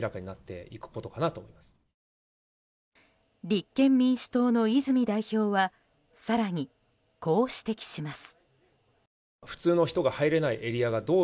立憲民主党の泉代表は更にこう指摘します。